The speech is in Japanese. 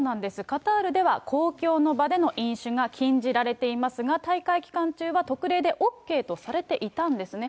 カタールでは公共の場での飲酒が禁じられていますが、大会期間中は特例でＯＫとされていたんですね。